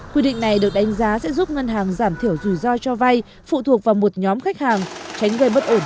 quy định này được đánh giá sẽ giúp ngân hàng giảm dần trong năm năm